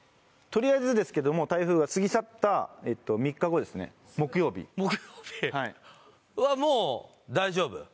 とりあえずですけども台風が過ぎ去った３日後ですね木曜日はもう大丈夫？